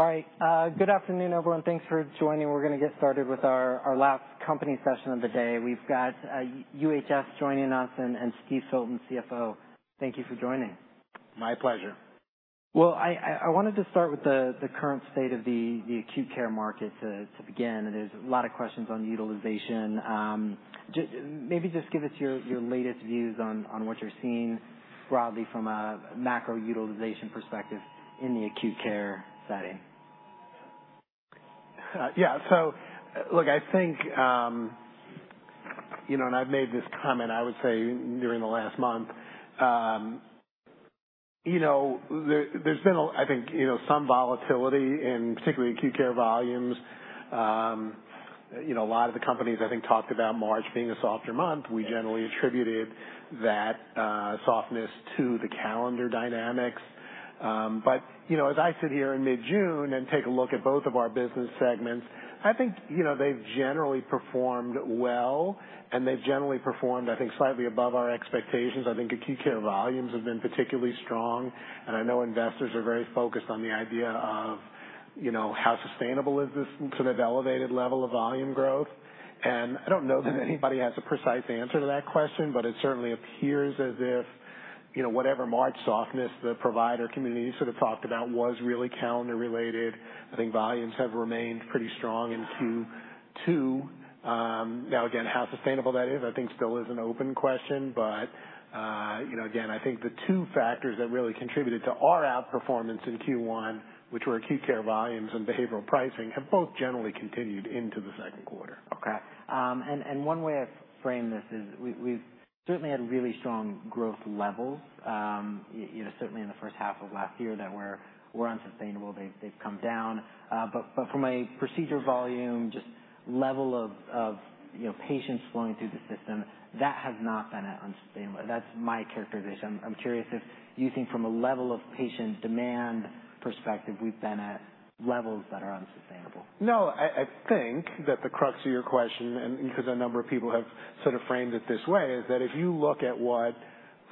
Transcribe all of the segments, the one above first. All right, good afternoon, everyone. Thanks for joining. We're gonna get started with our last company session of the day. We've got UHS joining us and Steve Filton, CFO. Thank you for joining. My pleasure. I wanted to start with the current state of the acute care market to begin. There's a lot of questions on utilization. Maybe just give us your latest views on what you're seeing broadly from a macro utilization perspective in the acute care setting. Yeah. So look, I think, you know, and I've made this comment. I would say during the last month, you know, there, there's been a... I think, you know, some volatility in particularly acute care volumes. You know, a lot of the companies, I think, talked about March being a softer month. We generally attributed that softness to the calendar dynamics. But, you know, as I sit here in mid-June and take a look at both of our business segments, I think, you know, they've generally performed well, and they've generally performed, I think, slightly above our expectations. I think acute care volumes have been particularly strong, and I know investors are very focused on the idea of, you know, how sustainable is this sort of elevated level of volume growth. And I don't know that anybody has a precise answer to that question, but it certainly appears as if, you know, whatever March softness the provider community sort of talked about was really calendar related. I think volumes have remained pretty strong in Q2. Now, again, how sustainable that is, I think still is an open question. But, you know, again, I think the two factors that really contributed to our outperformance in Q1, which were acute care volumes and behavioral pricing, have both generally continued into the second quarter. Okay. And one way I frame this is we've certainly had really strong growth levels, you know, certainly in the first half of last year that were unsustainable. They've come down. But from a procedure volume, just level of, you know, patients flowing through the system, that has not been an unsustainable. That's my characterization. I'm curious if you think from a level of patient demand perspective, we've been at levels that are unsustainable? No, I think that the crux of your question, and because a number of people have sort of framed it this way, is that if you look at what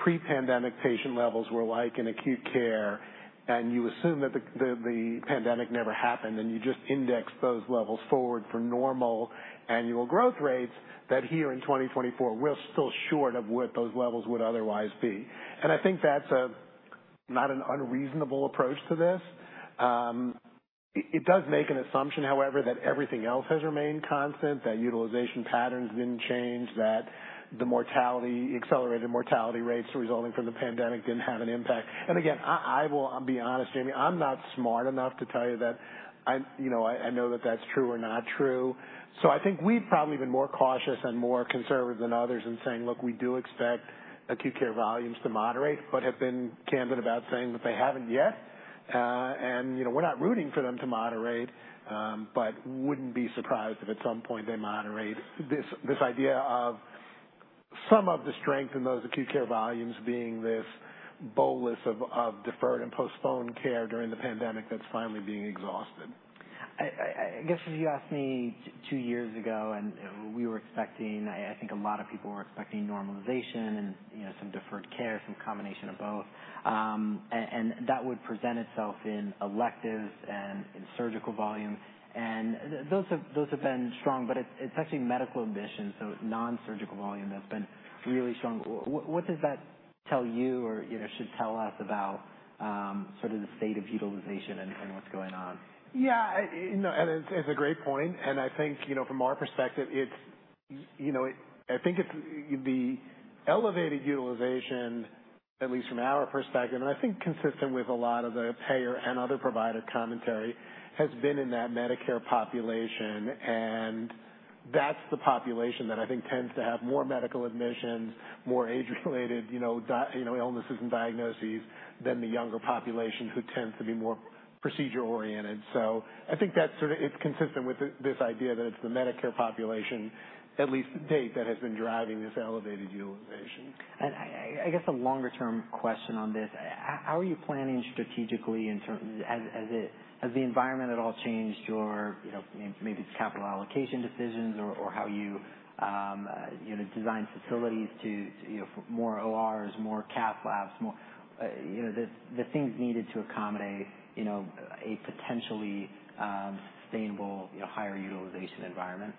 pre-pandemic patient levels were like in acute care, and you assume that the pandemic never happened, and you just index those levels forward for normal annual growth rates, that here in 2024, we're still short of what those levels would otherwise be. I think that's not an unreasonable approach to this. It does make an assumption, however, that everything else has remained constant, that utilization patterns didn't change, that the accelerated mortality rates resulting from the pandemic didn't have an impact. Again, I will, I'll be honest, Jamie, I'm not smart enough to tell you that I'm... You know, I know that that's true or not true. So I think we've probably been more cautious and more conservative than others in saying: Look, we do expect acute care volumes to moderate, but have been candid about saying that they haven't yet. You know, we're not rooting for them to moderate, but wouldn't be surprised if at some point they moderate. This idea of some of the strength in those acute care volumes being this bolus of deferred and postponed care during the pandemic that's finally being exhausted. I guess if you asked me two years ago, and we were expecting, I think a lot of people were expecting normalization and, you know, some deferred care, some combination of both. And that would present itself in electives and in surgical volumes, and those have been strong, but it's actually medical admissions, so nonsurgical volume that's been really strong. What does that tell you, or, you know, should tell us about sort of the state of utilization and what's going on? Yeah, you know, it's a great point, and I think, you know, from our perspective, it's the elevated utilization, at least from our perspective, and I think consistent with a lot of the payer and other provider commentary, has been in that Medicare population. And that's the population that I think tends to have more medical admissions, more age-related, you know, illnesses and diagnoses than the younger population, who tends to be more procedure oriented. So I think that's sort of it's consistent with this idea that it's the Medicare population, at least to date, that has been driving this elevated utilization. And I guess a longer-term question on this: How are you planning strategically in terms. As has the environment at all changed your, you know, maybe its capital allocation decisions or how you, you know, design facilities to, you know, more ORs, more cath labs, more, you know, the things needed to accommodate, you know, a potentially sustainable, you know, higher utilization environment?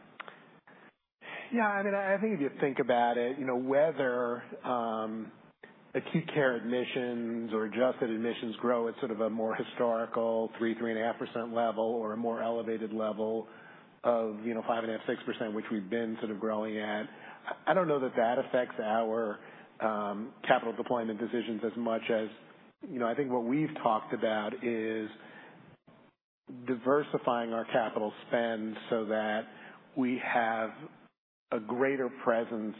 Yeah, I mean, I think if you think about it, you know, whether acute care admissions or adjusted admissions grow at sort of a more historical 3%-3.5% level, or a more elevated level of, you know, 5.5%-6%, which we've been sort of growing at, I don't know that that affects our capital deployment decisions as much as... You know, I think what we've talked about is diversifying our capital spend so that we have a greater presence,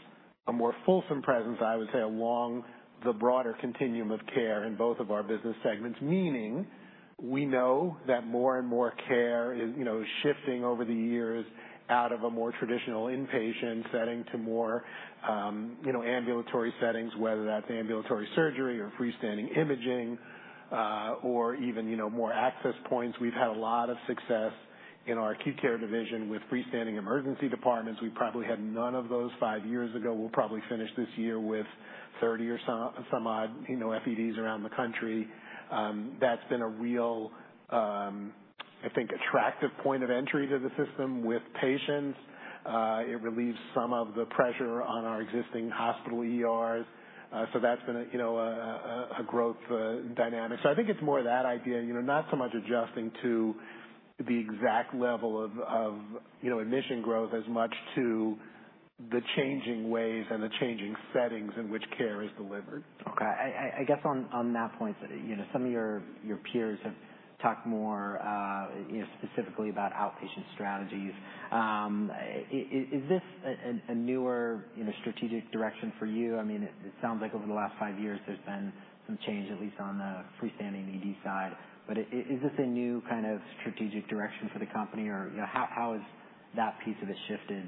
a more fulsome presence, I would say, along the broader continuum of care in both of our business segments. Meaning, we know that more and more care is, you know, shifting over the years out of a more traditional inpatient setting to more, you know, ambulatory settings, whether that's ambulatory surgery or freestanding imaging, or even, you know, more access points. We've had a lot of success in our acute care division with freestanding emergency departments. We probably had none of those five years ago. We'll probably finish this year with 30 or so, some odd, you know, FEDs around the country. That's been a real, I think, attractive point of entry to the system with patients. It relieves some of the pressure on our existing hospital ERs. So that's been a, you know, a growth dynamic. I think it's more that idea, you know, not so much adjusting to the exact level of, you know, admission growth as much to the changing ways and the changing settings in which care is delivered. Okay. I guess on that point, you know, some of your peers have talked more, you know, specifically about outpatient strategies. Is this a newer, you know, strategic direction for you? I mean, it sounds like over the last five years, there's been some change, at least on the freestanding ED side, but is this a new kind of strategic direction for the company, or you know, how has that piece of it shifted,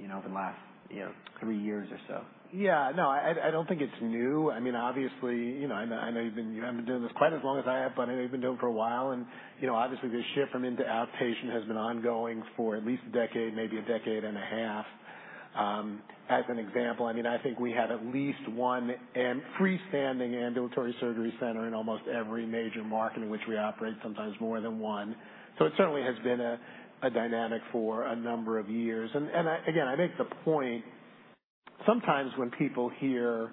you know, over the last three years or so? Yeah. No, I, I don't think it's new. I mean, obviously, you know, I know, I know you've been, you haven't been doing this quite as long as I have, but I know you've been doing it for a while, and, you know, obviously, the shift from in to outpatient has been ongoing for at least a decade, maybe a decade and a half. As an example, I mean, I think we had at least one freestanding ambulatory surgery center in almost every major market in which we operate, sometimes more than one. So it certainly has been a dynamic for a number of years. And again, I think the point, sometimes when people hear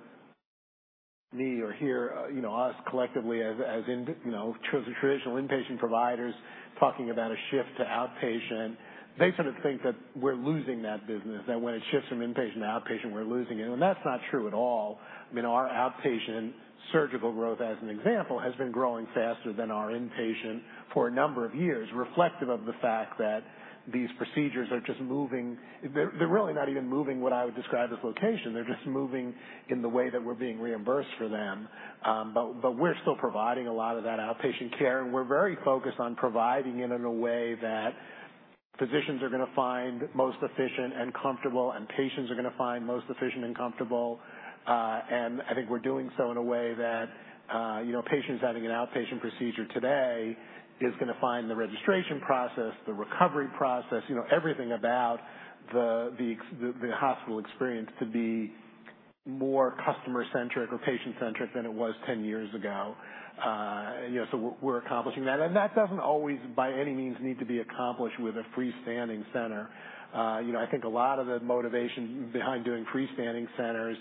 me or hear, you know, us collectively as, as in, you know, traditional inpatient providers talking about a shift to outpatient, they sort of think that we're losing that business. That when it shifts from inpatient to outpatient, we're losing it, and that's not true at all. I mean, our outpatient surgical growth, as an example, has been growing faster than our inpatient for a number of years, reflective of the fact that these procedures are just moving... They're really not even moving what I would describe as location. They're just moving in the way that we're being reimbursed for them. But we're still providing a lot of that outpatient care, and we're very focused on providing it in a way that physicians are gonna find most efficient and comfortable, and patients are gonna find most efficient and comfortable. And I think we're doing so in a way that, you know, patients having an outpatient procedure today is gonna find the registration process, the recovery process, you know, everything about the hospital experience to be more customer-centric or patient-centric than it was ten years ago. You know, so we're accomplishing that, and that doesn't always, by any means, need to be accomplished with a freestanding center. You know, I think a lot of the motivation behind doing freestanding centers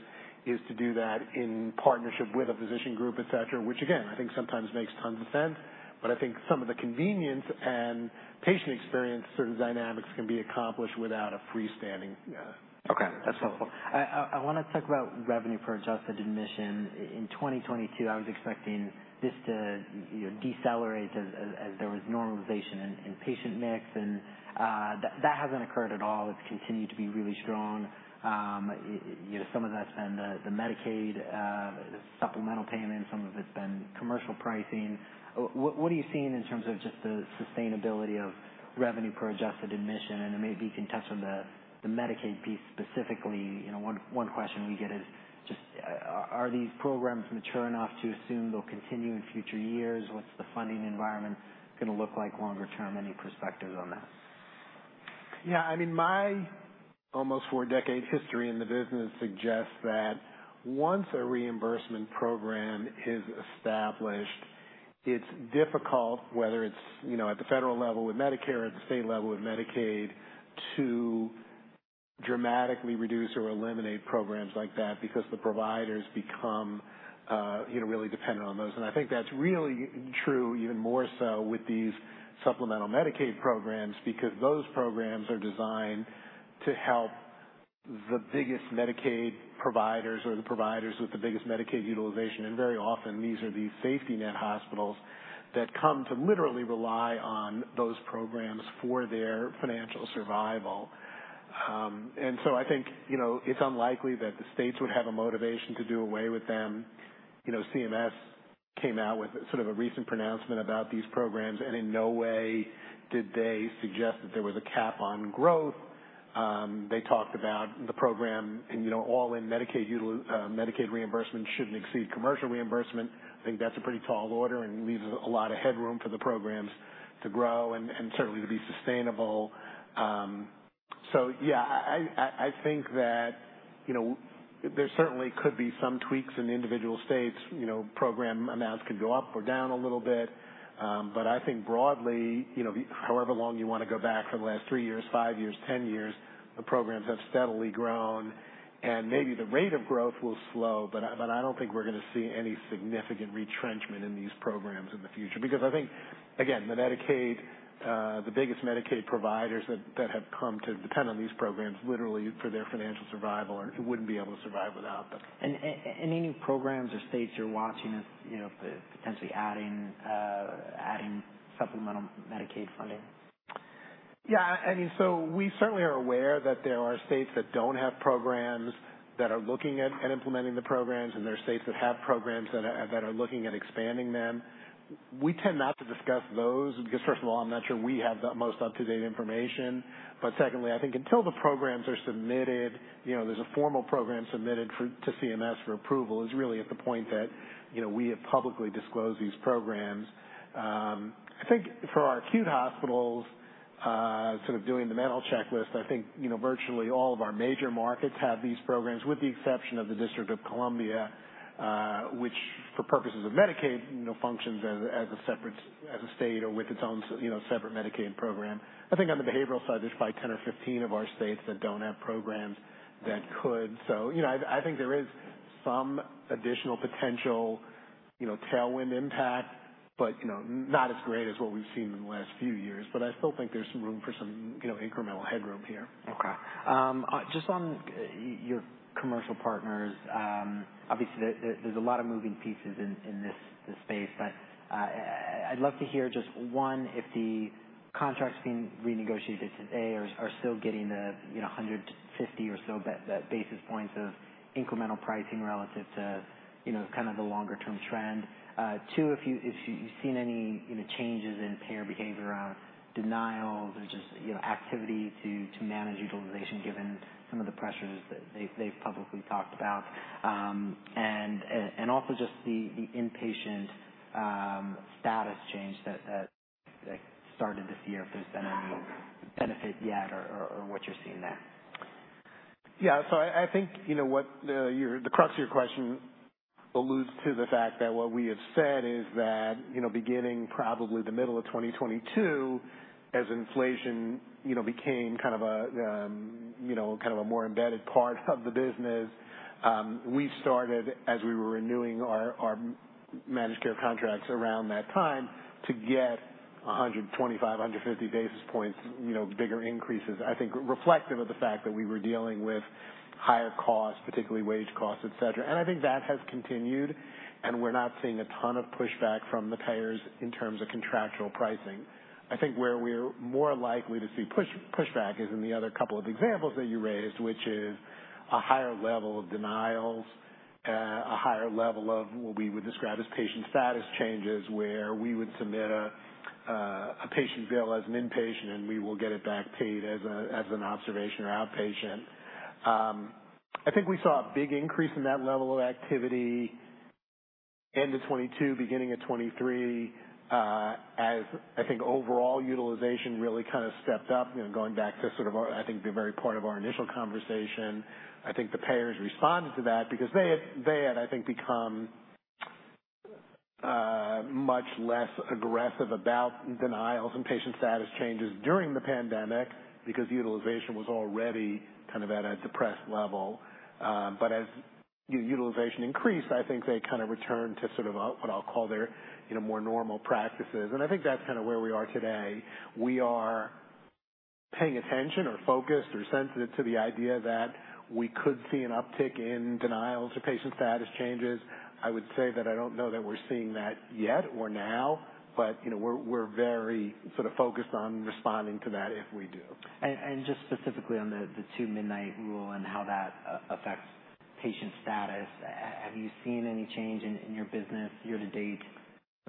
is to do that in partnership with a physician group, et cetera, which again, I think sometimes makes tons of sense. But I think some of the convenience and patient experience sort of dynamics can be accomplished without a freestanding. Okay, that's helpful. I wanna talk about revenue per adjusted admission. In 2022, I was expecting this to, you know, decelerate as there was normalization in patient mix, and that hasn't occurred at all. It's continued to be really strong. You know, some of that's been the Medicaid supplemental payments, some of it's been commercial pricing. What are you seeing in terms of just the sustainability of revenue per adjusted admission? And maybe you can touch on the Medicaid piece specifically. You know, one question we get is just are these programs mature enough to assume they'll continue in future years? What's the funding environment gonna look like longer term? Any perspective on that? Yeah. I mean, my almost four-decade history in the business suggests that once a reimbursement program is established, it's difficult, whether it's, you know, at the federal level with Medicare, at the state level with Medicaid, to dramatically reduce or eliminate programs like that because the providers become, you know, really dependent on those. And I think that's really true even more so with these supplemental Medicaid programs, because those programs are designed to help the biggest Medicaid providers or the providers with the biggest Medicaid utilization. And very often, these are the safety net hospitals that come to literally rely on those programs for their financial survival. And so I think, you know, it's unlikely that the states would have a motivation to do away with them. You know, CMS came out with sort of a recent pronouncement about these programs, and in no way did they suggest that there was a cap on growth. They talked about the program and, you know, all in Medicaid utilization, Medicaid reimbursement shouldn't exceed commercial reimbursement. I think that's a pretty tall order and leaves a lot of headroom for the programs to grow and certainly to be sustainable. So yeah, I think that, you know, there certainly could be some tweaks in the individual states. You know, program amounts can go up or down a little bit. But I think broadly, you know, however long you wanna go back, for the last three years, five years, 10 years, the programs have steadily grown, and maybe the rate of growth will slow, but I don't think we're gonna see any significant retrenchment in these programs in the future. Because I think, again, the Medicaid, the biggest Medicaid providers that have come to depend on these programs, literally for their financial survival, and wouldn't be able to survive without them. Any programs or states you're watching, as you know, potentially adding supplemental Medicaid funding? Yeah. I mean, so we certainly are aware that there are states that don't have programs, that are looking at implementing the programs, and there are states that have programs that are looking at expanding them. We tend not to discuss those because, first of all, I'm not sure we have the most up-to-date information. But secondly, I think until the programs are submitted, you know, there's a formal program submitted for, to CMS for approval, is really at the point that, you know, we have publicly disclosed these programs. I think for our acute hospitals-... Sort of doing the mental checklist, I think, you know, virtually all of our major markets have these programs, with the exception of the District of Columbia, which, for purposes of Medicaid, you know, functions as a state or with its own, you know, separate Medicaid program. I think on the behavioral side, there's probably 10 or 15 of our states that don't have programs that could. So, you know, I think there is some additional potential, you know, tailwind impact, but, you know, not as great as what we've seen in the last few years. But I still think there's some room for some, you know, incremental headroom here. Okay. Just on your commercial partners, obviously, there's a lot of moving pieces in this space. But, I'd love to hear just one, if the contracts being renegotiated today are still getting the, you know, 150 or so basis points of incremental pricing relative to, you know, kind of the longer term trend? Two, if you've seen any, you know, changes in payer behavior around denials or just, you know, activity to manage utilization, given some of the pressures that they've publicly talked about. And also just the inpatient status change that started this year, if there's been any benefit yet or what you're seeing there. Yeah, so I think, you know what, the crux of your question alludes to the fact that what we have said is that, you know, beginning probably the middle of 2022, as inflation, you know, became kind of a, you know, kind of a more embedded part of the business, we started, as we were renewing our managed care contracts around that time, to get 125-150 basis points, you know, bigger increases. I think reflective of the fact that we were dealing with higher costs, particularly wage costs, et cetera. And I think that has continued, and we're not seeing a ton of pushback from the payers in terms of contractual pricing. I think where we're more likely to see pushback is in the other couple of examples that you raised, which is a higher level of denials, a higher level of what we would describe as patient status changes, where we would submit a patient bill as an inpatient, and we will get it back paid as an observation or outpatient. I think we saw a big increase in that level of activity end of 2022, beginning of 2023, as I think overall utilization really kind of stepped up. You know, going back to sort of our, I think, the very part of our initial conversation, I think the payers responded to that because they had become much less aggressive about denials and patient status changes during the pandemic because utilization was already kind of at a depressed level. But as utilization increased, I think they kind of returned to sort of a, what I'll call their, you know, more normal practices. And I think that's kind of where we are today. We are paying attention or focused or sensitive to the idea that we could see an uptick in denials or patient status changes. I would say that I don't know that we're seeing that yet or now, but, you know, we're very sort of focused on responding to that if we do. Just specifically on the Two-Midnight Rule and how that affects patient status, have you seen any change in your business year to date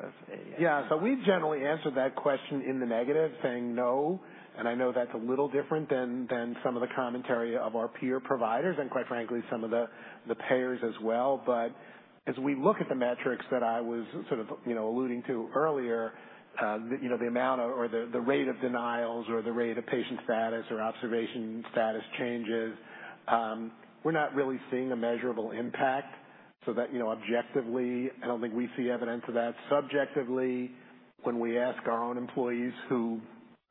as a- Yeah. So we've generally answered that question in the negative, saying no, and I know that's a little different than some of the commentary of our peer providers and, quite frankly, some of the payers as well. But as we look at the metrics that I was sort of, you know, alluding to earlier, you know, the rate of denials or the rate of patient status or observation status changes, we're not really seeing a measurable impact. So that, you know, objectively, I don't think we see evidence of that. Subjectively, when we ask our own employees who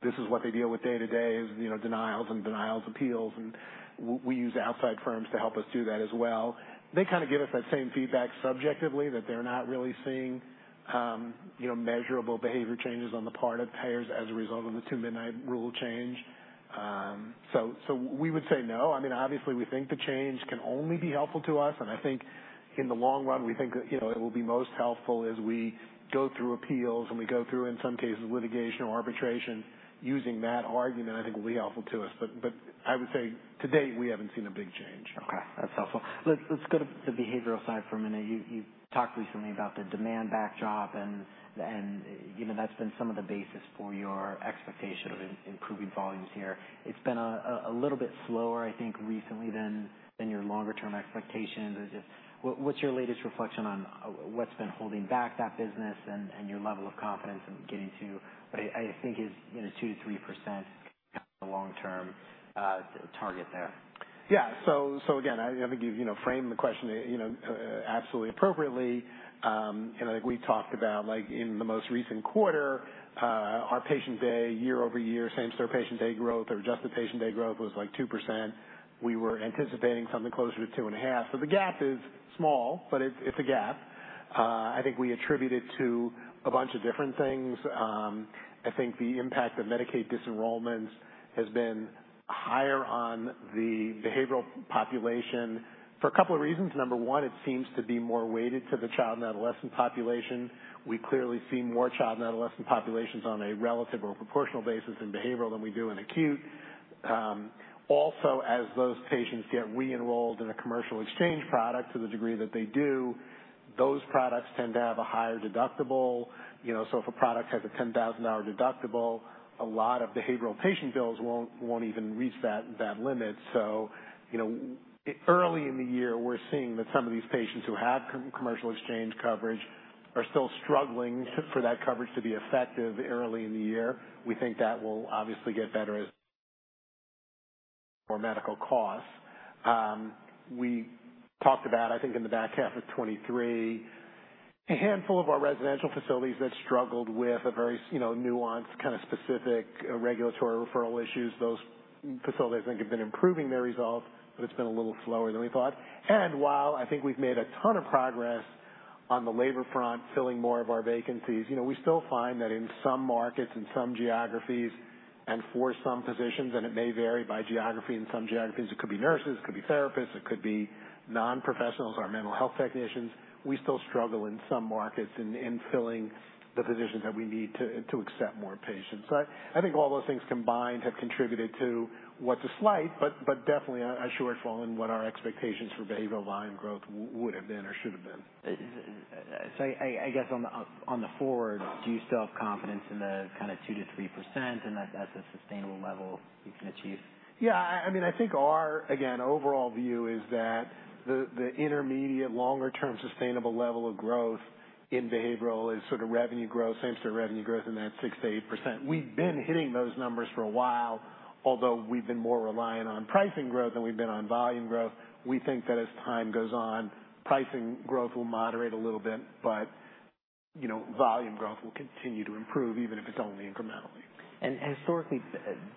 this is what they deal with day-to-day is, you know, denials and denials appeals, and we use outside firms to help us do that as well. They kind of give us that same feedback subjectively, that they're not really seeing, you know, measurable behavior changes on the part of payers as a result of the two-midnight rule change. So we would say no. I mean, obviously, we think the change can only be helpful to us, and I think in the long run, we think, you know, it will be most helpful as we go through appeals and we go through, in some cases, litigation or arbitration. Using that argument, I think, will be helpful to us, but I would say to date, we haven't seen a big change. Okay, that's helpful. Let's go to the behavioral side for a minute. You talked recently about the demand backdrop and, you know, that's been some of the basis for your expectation of improving volumes here. It's been a little bit slower, I think, recently than your longer term expectations. I just... What, what's your latest reflection on what's been holding back that business and your level of confidence in getting to, I think is, you know, 2%-3% long-term target there? Yeah. So again, I think you know framed the question you know absolutely appropriately. You know, like we talked about, like in the most recent quarter, our patient day, year over year, same store patient day growth or just the patient day growth was, like, 2%. We were anticipating something closer to 2.5%. So the gap is small, but it's a gap. I think we attribute it to a bunch of different things. I think the impact of Medicaid disenrollments has been higher on the behavioral population for a couple of reasons. Number one, it seems to be more weighted to the child and adolescent population. We clearly see more child and adolescent populations on a relative or proportional basis in behavioral than we do in acute. Also, as those patients get re-enrolled in a commercial exchange product, to the degree that they do, those products tend to have a higher deductible. You know, so if a product has a $10,000 deductible, a lot of behavioral patient bills won't even reach that limit. So, you know, early in the year, we're seeing that some of these patients who have commercial exchange coverage are still struggling for that coverage to be effective early in the year. We think that will obviously get better as or medical costs. We talked about, I think, in the back half of 2023, a handful of our residential facilities that struggled with a very you know, nuanced, kind of specific regulatory referral issues. Those facilities, I think, have been improving their resolve, but it's been a little slower than we thought. While I think we've made a ton of progress on the labor front, filling more of our vacancies, you know, we still find that in some markets and some geographies and for some positions, and it may vary by geography. In some geographies, it could be nurses, it could be therapists, it could be non-professionals, our mental health technicians. We still struggle in some markets in filling the positions that we need to accept more patients. I think all those things combined have contributed to what's a slight, but definitely a shortfall in what our expectations for behavioral volume growth would have been or should have been. I guess on the forward, do you still have confidence in the kinda 2%-3% and that's a sustainable level you can achieve? Yeah, I mean, I think our again overall view is that the intermediate longer term sustainable level of growth in behavioral is sort of revenue growth, same store revenue growth in that 6%-8%. We've been hitting those numbers for a while, although we've been more reliant on pricing growth than we've been on volume growth. We think that as time goes on, pricing growth will moderate a little bit, but you know volume growth will continue to improve, even if it's only incrementally. Historically,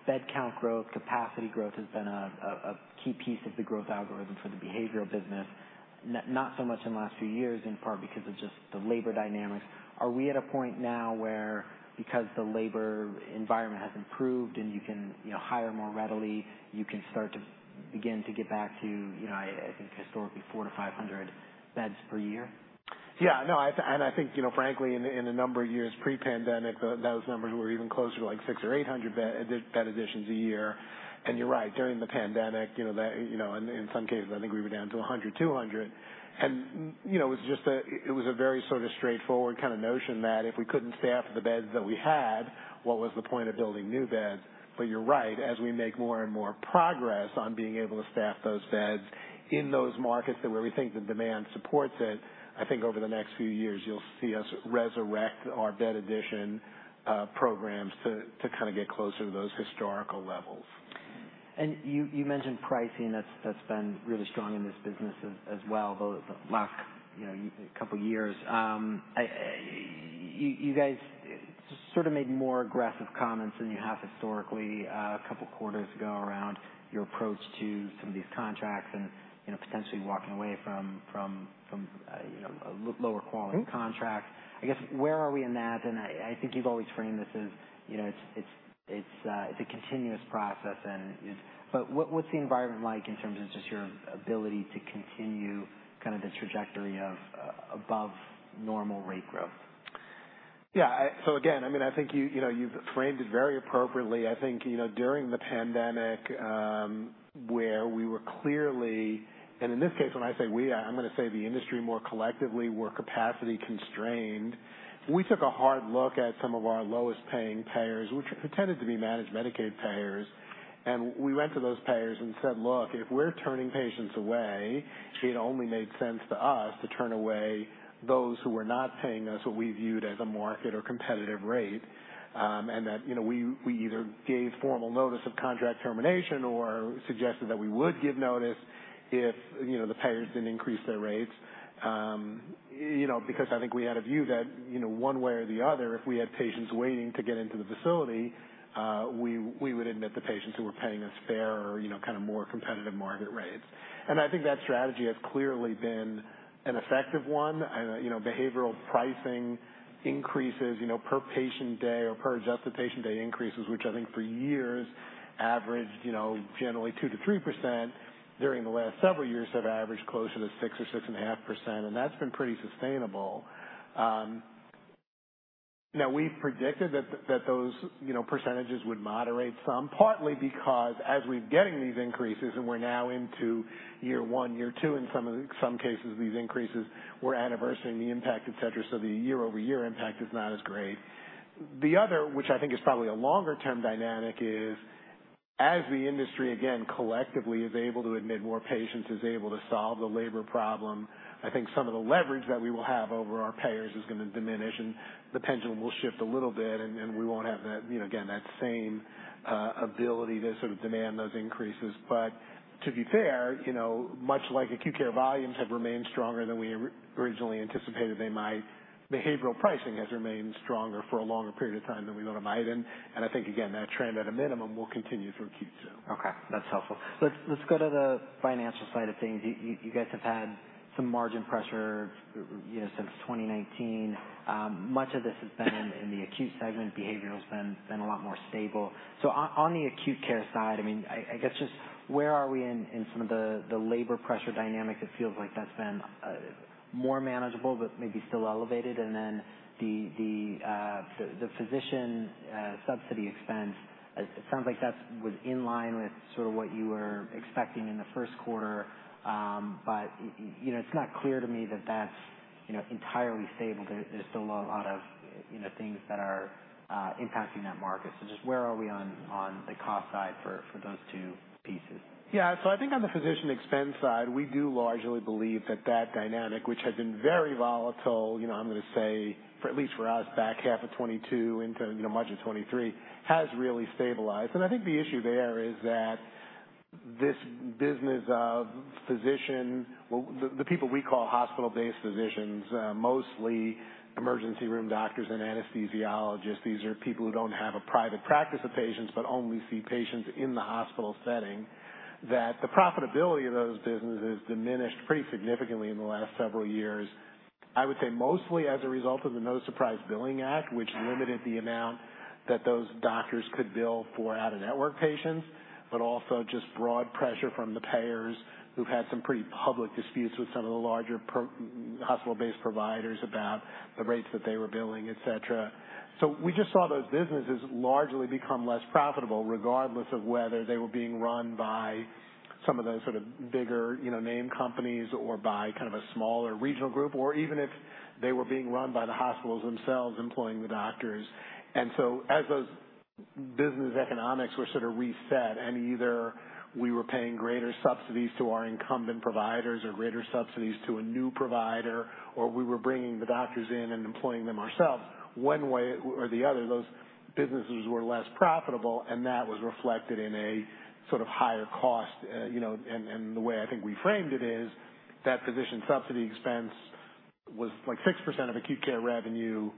bed count growth, capacity growth has been a key piece of the growth algorithm for the behavioral business. Not so much in the last few years, in part because of just the labor dynamics. Are we at a point now where because the labor environment has improved and you can, you know, hire more readily, you can start to begin to get back to, you know, I think historically, 400-500 beds per year? Yeah. No, and I think, you know, frankly, in the number of years pre-pandemic, those numbers were even closer to, like, 600 or 800 bed additions a year. And you're right, during the pandemic, you know, that, you know, in some cases, I think we were down to a 100, 200. And, you know, it was just a... It was a very sort of straightforward kinda notion that if we couldn't staff the beds that we had, what was the point of building new beds? But you're right, as we make more and more progress on being able to staff those beds in those markets where we think the demand supports it, I think over the next few years, you'll see us resurrect our bed addition programs to kinda get closer to those historical levels. You mentioned pricing that's been really strong in this business as well, the last, you know, couple years. You guys sort of made more aggressive comments than you have historically, a couple quarters ago around your approach to some of these contracts and, you know, potentially walking away from a lower quality contract. I guess, where are we in that? And I think you've always framed this as, you know, it's a continuous process, and it's... But what's the environment like in terms of just your ability to continue kind of the trajectory of above normal rate growth? Yeah, So again, I mean, I think you, you know, you've framed it very appropriately. I think, you know, during the pandemic, where we were clearly, and in this case, when I say we are, I'm gonna say the industry more collectively were capacity constrained. We took a hard look at some of our lowest paying payers, which pretended to be managed Medicaid payers, and we went to those payers and said: "Look, if we're turning patients away." It only made sense to us to turn away those who were not paying us what we viewed as a market or competitive rate. And that, you know, we either gave formal notice of contract termination or suggested that we would give notice if, you know, the payers didn't increase their rates. You know, because I think we had a view that, you know, one way or the other, if we had patients waiting to get into the facility, we would admit the patients who were paying us fairer, you know, kind of more competitive market rates. And I think that strategy has clearly been an effective one. And, you know, behavioral pricing increases, you know, per patient day or per adjusted patient day increases, which I think for years averaged, you know, generally 2%-3%, during the last several years have averaged closer to 6% or 6.5%, and that's been pretty sustainable. Now, we predicted that those, you know, percentages would moderate some, partly because as we're getting these increases and we're now into year one, year two, in some cases, these increases were anniversarying the impact, et cetera, so the year-over-year impact is not as great. The other, which I think is probably a longer term dynamic, is as the industry, again, collectively is able to admit more patients, is able to solve the labor problem, I think some of the leverage that we will have over our payers is gonna diminish, and the pendulum will shift a little bit, and we won't have that, you know, again, that same ability to sort of demand those increases. But to be fair, you know, much like acute care volumes have remained stronger than we originally anticipated they might, behavioral pricing has remained stronger for a longer period of time than we thought it might. And, I think, again, that trend, at a minimum, will continue for acute care. Okay, that's helpful. Let's go to the financial side of things. You guys have had some margin pressure, you know, since 2019. Much of this has been in the acute segment. Behavioral has been a lot more stable. So on the acute care side, I mean, I guess just where are we in some of the labor pressure dynamic? It feels like that's been more manageable, but maybe still elevated. And then the physician subsidy expense, it sounds like that was in line with sort of what you were expecting in the first quarter. But you know, it's not clear to me that that's entirely stable. There's still a lot of, you know, things that are impacting that market. So just where are we on the cost side for those two pieces? Yeah. So I think on the physician expense side, we do largely believe that that dynamic, which has been very volatile, you know, I'm gonna say for at least us, back half of 2022 into, you know, much of 2023, has really stabilized, and I think the issue there is that... this business of physician, well, the people we call hospital-based physicians, mostly emergency room doctors and anesthesiologists. These are people who don't have a private practice of patients, but only see patients in the hospital setting, that the profitability of those businesses diminished pretty significantly in the last several years. I would say mostly as a result of the No Surprises Act, which limited the amount that those doctors could bill for out-of-network patients, but also just broad pressure from the payers who've had some pretty public disputes with some of the larger pro-hospital-based providers about the rates that they were billing, et cetera, so we just saw those businesses largely become less profitable, regardless of whether they were being run by some of the sort of bigger, you know, name companies or by kind of a smaller regional group, or even if they were being run by the hospitals themselves employing the doctors. And so as those business economics were sort of reset, and either we were paying greater subsidies to our incumbent providers or greater subsidies to a new provider, or we were bringing the doctors in and employing them ourselves, one way or the other, those businesses were less profitable, and that was reflected in a sort of higher cost. You know, the way I think we framed it is that physician subsidy expense was, like, 6% of acute care revenue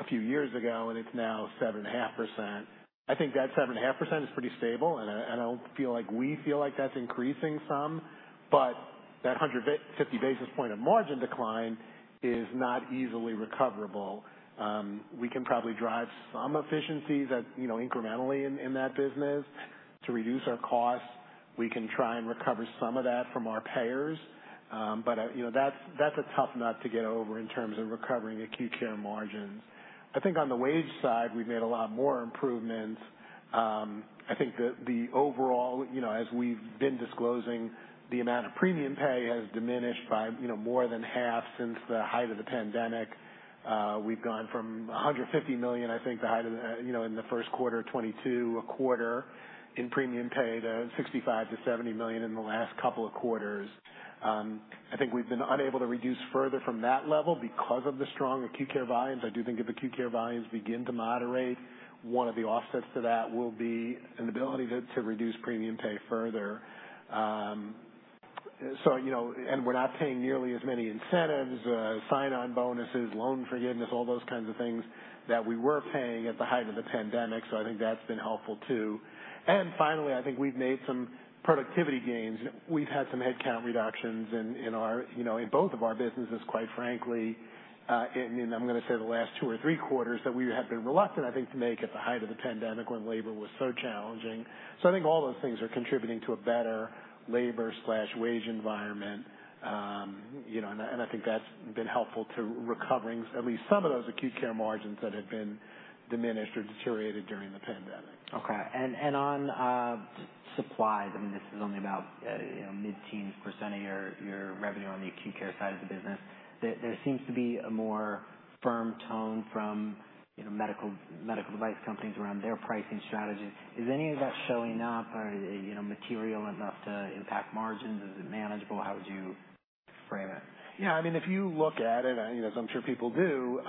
a few years ago, and it's now 7.5%. I think that 7.5% is pretty stable, and I don't feel like we feel like that's increasing some, but that 150 basis point of margin decline is not easily recoverable. We can probably drive some efficiencies that you know incrementally in that business to reduce our costs. We can try and recover some of that from our payers, but you know that's a tough nut to get over in terms of recovering acute care margins. I think on the wage side, we've made a lot more improvements. I think the overall you know as we've been disclosing the amount of premium pay has diminished by you know more than half since the height of the pandemic. We've gone from $150 million I think the height of you know in the first quarter of 2022 a quarter in premium pay to $65 million-$70 million in the last couple of quarters. I think we've been unable to reduce further from that level because of the strong acute care volumes. I do think if acute care volumes begin to moderate, one of the offsets to that will be an ability to reduce premium pay further. So, you know, and we're not paying nearly as many incentives, sign-on bonuses, loan forgiveness, all those kinds of things that we were paying at the height of the pandemic, so I think that's been helpful, too. And finally, I think we've made some productivity gains. We've had some headcount reductions in our, you know, in both of our businesses, quite frankly, and I'm gonna say the last two or three quarters, that we have been reluctant, I think, to make at the height of the pandemic when labor was so challenging. So I think all those things are contributing to a better labor/wage environment. You know, and I think that's been helpful to recovering at least some of those acute care margins that had been diminished or deteriorated during the pandemic. Okay. And on supplies, I mean, this is only about you know, mid-teens percent of your revenue on the acute care side of the business. There seems to be a more firm tone from you know, medical device companies around their pricing strategies. Is any of that showing up or you know, material enough to impact margins? Is it manageable? How would you frame it? Yeah, I mean, if you look at it, and as I'm sure people do,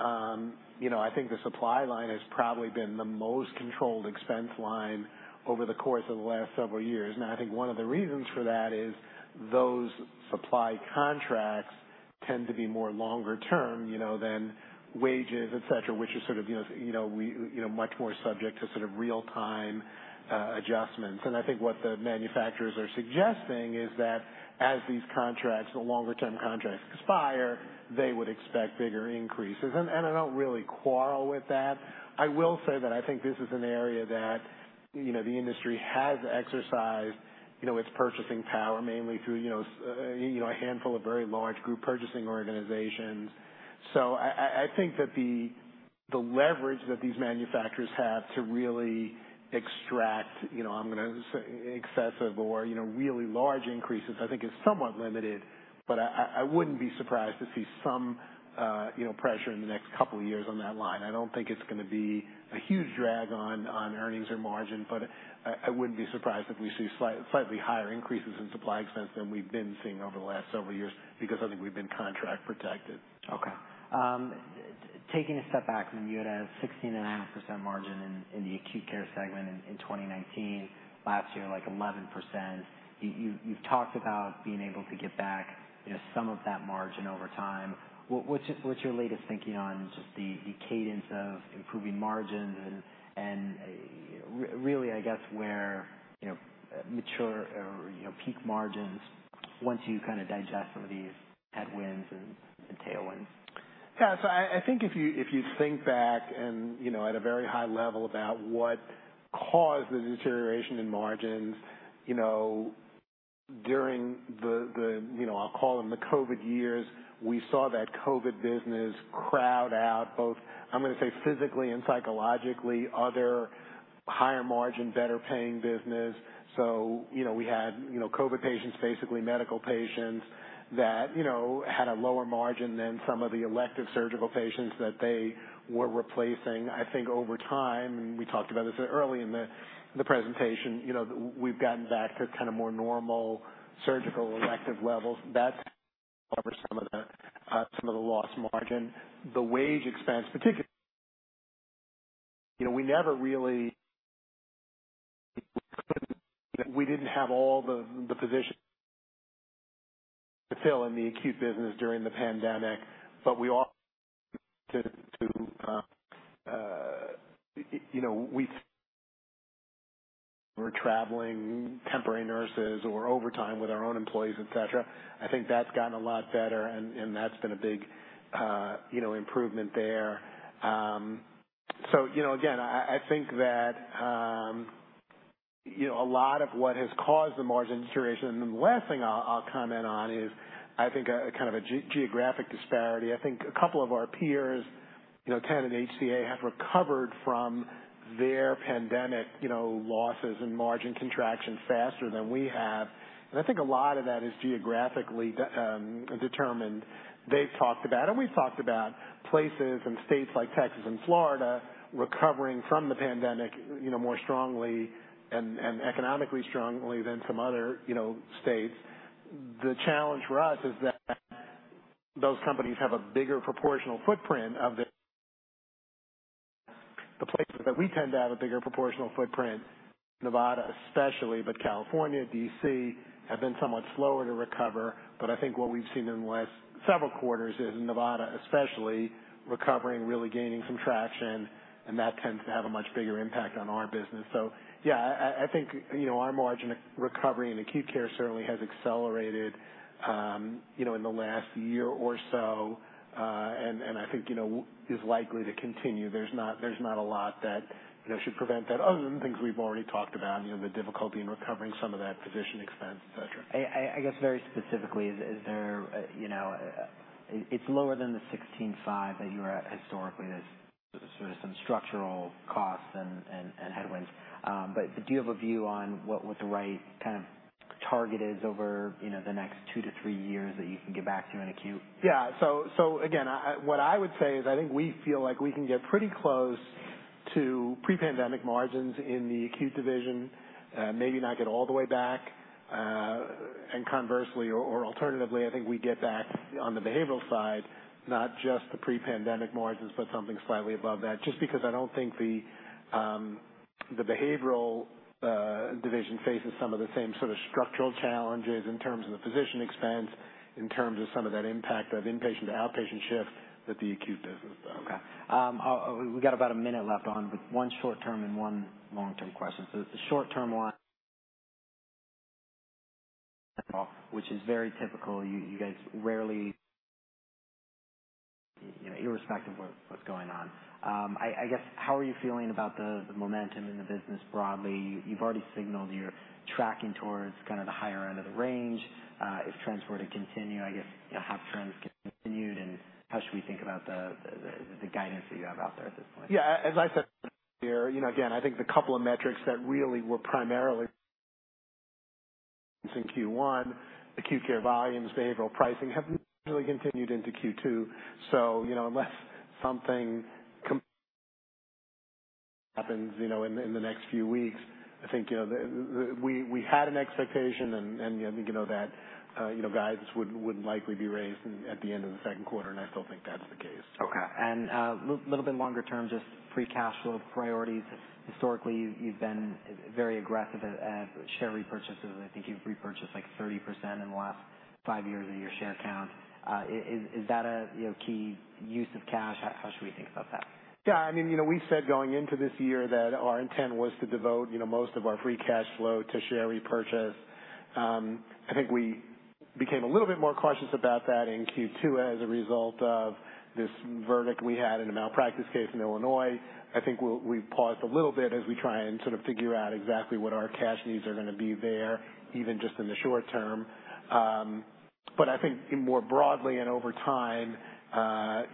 you know, I think the supply line has probably been the most controlled expense line over the course of the last several years. And I think one of the reasons for that is those supply contracts tend to be more longer term, you know, than wages, et cetera, which is sort of, you know, much more subject to sort of real time adjustments. And I think what the manufacturers are suggesting is that as these contracts, the longer term contracts expire, they would expect bigger increases. And I don't really quarrel with that. I will say that I think this is an area that, you know, the industry has exercised, you know, its purchasing power, mainly through, you know, a handful of very large group purchasing organizations. So I think that the leverage that these manufacturers have to really extract, you know, I'm gonna say excessive or, you know, really large increases, I think is somewhat limited, but I wouldn't be surprised to see some, you know, pressure in the next couple of years on that line. I don't think it's gonna be a huge drag on earnings or margin, but I wouldn't be surprised if we see slightly higher increases in supply expense than we've been seeing over the last several years because I think we've been contract protected. Okay. Taking a step back, I mean, you had a 16.5% margin in the acute care segment in 2019. Last year, like 11%. You've talked about being able to get back, you know, some of that margin over time. What's your latest thinking on just the cadence of improving margins and really, I guess, where, you know, mature or, you know, peak margins once you kind of digest some of these headwinds and tailwinds? Yeah. So I think if you think back and, you know, at a very high level about what caused the deterioration in margins, you know, during the, you know, I'll call them the COVID years, we saw that COVID business crowd out both, I'm gonna say, physically and psychologically, other higher margin, better paying business. So, you know, we had, you know, COVID patients, basically medical patients, that, you know, had a lower margin than some of the elective surgical patients that they were replacing. I think over time, and we talked about this early in the presentation, you know, we've gotten back to kind of more normal surgical elective levels. That covers some of the lost margin. The wage expense, particularly-... You know, we never really, we didn't have all the, the positions to fill in the acute business during the pandemic, but we had to, you know, we were traveling temporary nurses or overtime with our own employees, et cetera. I think that's gotten a lot better, and that's been a big, you know, improvement there. So, you know, again, I think that, you know, a lot of what has caused the margin deterioration, and the last thing I'll comment on is, I think, a kind of a geographic disparity. I think a couple of our peers, you know, 10 and HCA, have recovered from their pandemic, you know, losses and margin contraction faster than we have. I think a lot of that is geographically determined. They've talked about, and we've talked about places and states like Texas and Florida recovering from the pandemic, you know, more strongly and economically strongly than some other, you know, states. The challenge for us is that those companies have a bigger proportional footprint of the places that we tend to have a bigger proportional footprint, Nevada especially, but California, D.C., have been somewhat slower to recover. But I think what we've seen in the last several quarters is Nevada especially recovering, really gaining some traction, and that tends to have a much bigger impact on our business. So, yeah, I think, you know, our margin recovery and acute care certainly has accelerated, you know, in the last year or so, and I think, you know, is likely to continue. There's not a lot that, you know, should prevent that other than things we've already talked about, you know, the difficulty in recovering some of that physician expense, et cetera. I guess very specifically, is there, you know, it's lower than the 65% that you were at historically. There's sort of some structural costs and headwinds. But do you have a view on what the right kind of target is over, you know, the next two to three years that you can get back to in acute? Yeah. So again, what I would say is, I think we feel like we can get pretty close to pre-pandemic margins in the acute division, maybe not get all the way back. And conversely or alternatively, I think we get back on the behavioral side, not just the pre-pandemic margins, but something slightly above that. Just because I don't think the behavioral division faces some of the same sort of structural challenges in terms of the physician expense, in terms of some of that impact of inpatient to outpatient shift that the acute business does. Okay. We got about a minute left on, but one short-term and one long-term question. So the short-term one which is very typical. You guys rarely, you know, irrespective of what's going on. I guess, how are you feeling about the momentum in the business broadly? You've already signaled you're tracking towards kind of the higher end of the range. If trends were to continue, I guess, you know, have trends continued, and how should we think about the guidance that you have out there at this point? Yeah, as I said earlier, you know, again, I think the couple of metrics that really were primarily in Q1, acute care volumes, behavioral pricing, have really continued into Q2. So, you know, unless something happens, you know, in the next few weeks, I think, you know, that we had an expectation, and I think, you know, that guidance would likely be raised at the end of the second quarter, and I still think that's the case. Okay. And, a little bit longer term, just free cash flow priorities. Historically, you've been very aggressive at share repurchases. I think you've repurchased, like, 30% in the last five years of your share count. Is that, you know, a key use of cash? How should we think about that? Yeah, I mean, you know, we said going into this year that our intent was to devote, you know, most of our free cash flow to share repurchase. I think we became a little bit more cautious about that in Q2 as a result of this verdict we had in a malpractice case in Illinois. I think we paused a little bit as we try and sort of figure out exactly what our cash needs are gonna be there, even just in the short term. But I think more broadly and over time,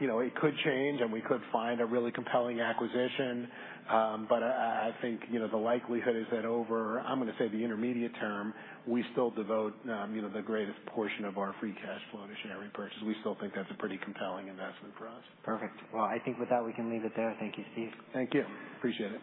you know, it could change, and we could find a really compelling acquisition. But I think, you know, the likelihood is that over, I'm gonna say the intermediate term, we still devote, you know, the greatest portion of our free cash flow to share repurchase. We still think that's a pretty compelling investment for us. Perfect. Well, I think with that, we can leave it there. Thank you, Steve. Thank you. Appreciate it.